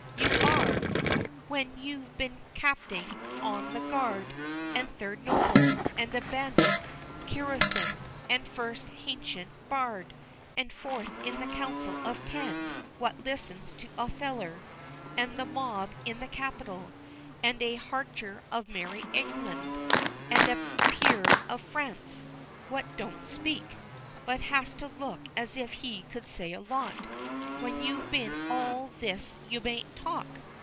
you are! When you've been Capting of the Guard, and Third Noble, and a Bandit Keerousin, and First Hancient Bard, and Fourth in the Council of Ten what listens to Otheller, and the Mob in the Capitol, and a Harcher of Merry England, and a Peer of France, what doesn't speak, but has to look as if he could say a lot; when you've been all this you may talk!